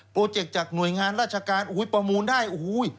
โปรเจกต์จากหน่วยงานราชการอุ๊ยประมูลได้อุ๊ย